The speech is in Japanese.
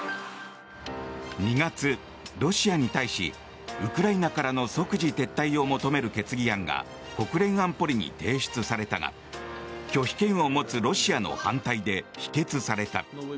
２月、ロシアに対しウクライナからの即時撤退を求める決議案が国連安保理に提出されたが拒否権を持つロシアの反対で否決された。